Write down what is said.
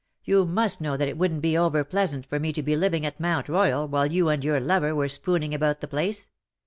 You must know that it wouldn't be over pleasant for me to be living at Mount Royal while you and your lover were spooning about tlie place.